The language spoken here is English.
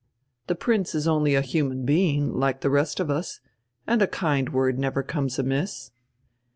The Prince is only a human being, like the rest of us, and a kind word never comes amiss."